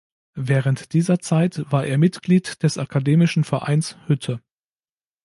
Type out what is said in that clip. Während dieser Zeit war er Mitglied des Akademischen Vereins Hütte.